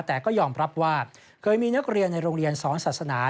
แต่ก็ยอมรับว่าเคยมีนักเรียนในโรงเรียนสอนศาสนา